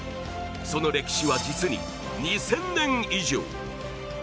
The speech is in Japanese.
その歴史は実に２０００年以上。